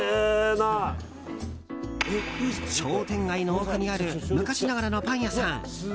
商店街の奥にある昔ながらのパン屋さん。